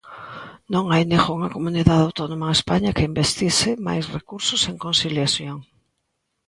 Non hai ningunha comunidade autónoma en España que investise máis recursos en conciliación.